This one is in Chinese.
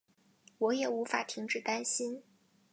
我也无法停止担心